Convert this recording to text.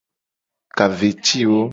Ka ve ci wo.